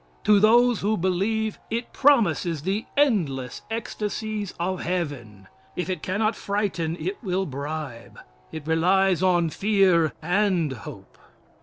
To those who believe, it promises the endless ecstasies of heaven. If it cannot frighten, it will bribe. It relies on fear and hope.